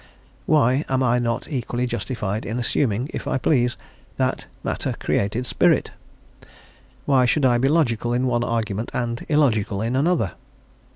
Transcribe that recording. Why, am I not equally justified in assuming, if I please, that matter created spirit? Why should I be logical in one argument and illogical in another?